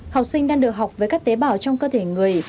học sinh đang được học với các tế bào trong cơ thể người